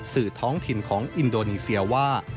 สื่อท้องถิ่นของอินโดนีเซียว่า